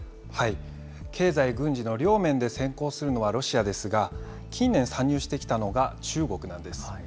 経済、軍事の両面で先行するのはロシアですが、近年参入してきたのが中国なんです。